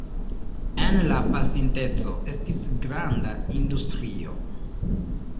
En la pasinteco estis granda industrio.